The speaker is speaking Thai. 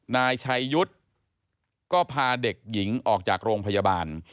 นายชัยยุทธ์ก็พาเด็กหญิงออกจากโรงพยาบาล